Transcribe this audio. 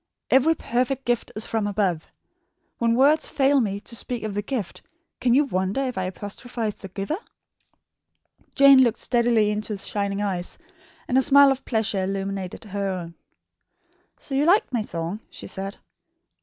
'Every perfect gift is from above.' When words fail me to speak of the gift, can you wonder if I apostrophise the Giver?" Jane looked steadily into his shining eyes, and a smile of pleasure illumined her own. "So you liked my song?" she said.